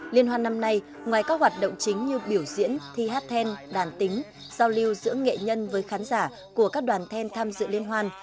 liên hoan năm nay ngoài các hoạt động chính như biểu diễn thi hát then đàn tính giao lưu giữa nghệ nhân với khán giả của các đoàn then tham dự liên hoan